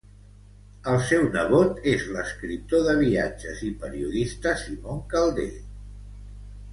El seu nebot és l'escriptor de viatges i periodista Simon Calder.